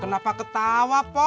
kenapa ketawa pok